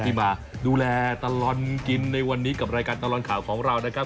ที่มาดูแลตลอดกินในวันนี้กับรายการตลอดข่าวของเรานะครับ